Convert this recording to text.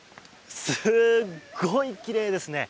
すごいきれいですね。